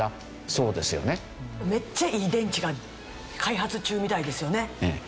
めっちゃいい電池が開発中みたいですよね今ね。